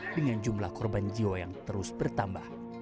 dengan jumlah korban jiwa yang terus bertambah